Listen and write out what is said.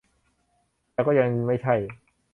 แต่ก็ยังไม่ใช่